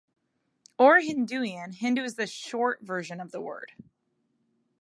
Or Hinduian, Hindu is the short version of the word.